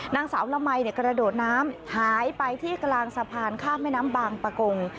นางสาวละมัยกระโดดน้ำหายไปที่กลางสะพานข้ามแม่น้ำบางปะกง